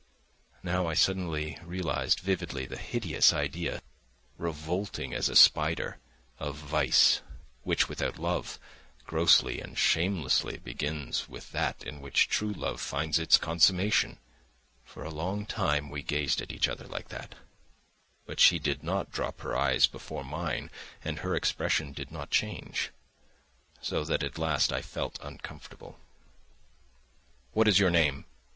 Now I suddenly realised vividly the hideous idea—revolting as a spider—of vice, which, without love, grossly and shamelessly begins with that in which true love finds its consummation. For a long time we gazed at each other like that, but she did not drop her eyes before mine and her expression did not change, so that at last I felt uncomfortable. "What is your name?"